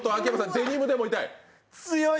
デニムでも痛い？